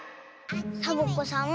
サボ子さん